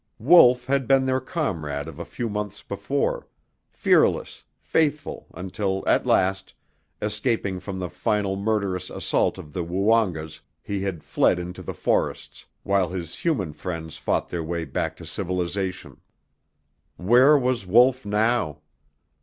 Wolf had been their comrade of a few months before; fearless, faithful, until at last, escaping from the final murderous assault of the Woongas, he had fled into the forests, while his human friends fought their way back to civilization. Where was Wolf now?